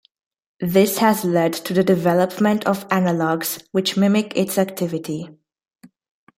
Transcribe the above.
This has led to the development of analogs which mimic its activity.